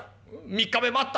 ３日目待った。